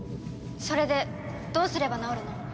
それでどうすれば治るの？